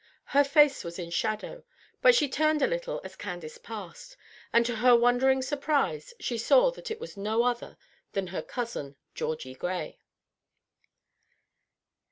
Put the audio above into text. Her face was in shadow; but she turned a little as Candace passed, and to her wondering surprise she saw that it was no other than her cousin Georgie Gray.